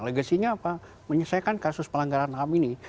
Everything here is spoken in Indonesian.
legasinya apa menyesuaikan kasus pelanggaran kami ini